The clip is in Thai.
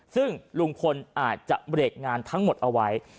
ซึ่งลุงพลอาจจะเบรกงานทั้งหมดเอาไว้